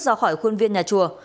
do khỏi khuôn viên nhà chùa